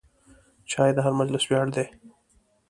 چای د هر مجلس ویاړ دی.